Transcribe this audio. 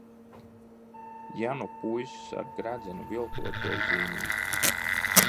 Ja nu puisis ar gredzenu viltoja to zīmīti?